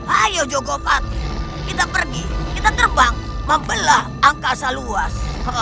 ayo jogokan kita pergi kita terbang membelah angkasa luas